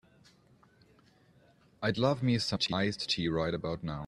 I'd love me some iced tea right about now.